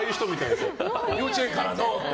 幼稚園からのって。